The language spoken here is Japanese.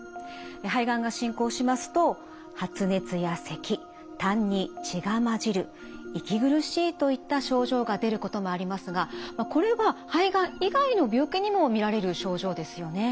肺がんが進行しますとといった症状が出ることもありますがまあこれは肺がん以外の病気にも見られる症状ですよね？